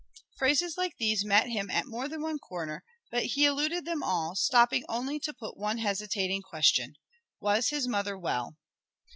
Phrases like these met him at more than one corner; but he eluded them all, stopping only to put one hesitating question. Was his mother well?